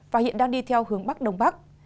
và hiện đang đi theo hướng bắc đông bắc